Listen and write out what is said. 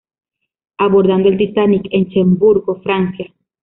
Abordaron el "Titanic" en Cherburgo, Francia.